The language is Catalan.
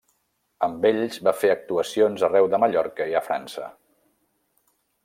Amb ells va fer actuacions arreu de Mallorca i a França.